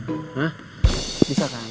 hah bisa kan